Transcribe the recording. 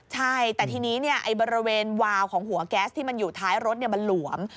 ใช่แต่ทีนี้บริเวณวาวของหัวแก๊สที่มันอยู่ท้ายรถมันหลวม